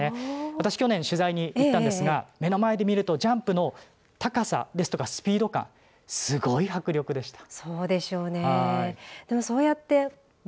私、去年取材に行ったんですが目の前で見るとジャンプの高さですとかスピード感、すごい迫力でした。